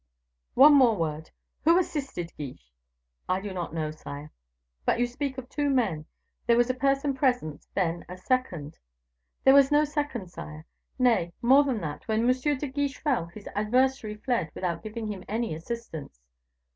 "One word more. Who assisted Guiche?" "I do not know, sire." "But you speak of two men. There was a person present, then, as second." "There was no second, sire. Nay, more than that, when M. de Guiche fell, his adversary fled without giving him any assistance."